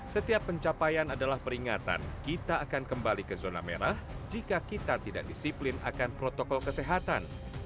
setiap pencapaian adalah peringatan kita akan kembali ke zona merah jika kita tidak disiplin akan protokol kesehatan